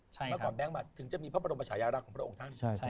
เมื่อก่อนแบงค์มาถึงจะมีพระบรมชายารักษ์ของพระองค์ท่าน